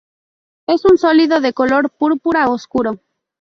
Es un sólido de color púrpura oscuro.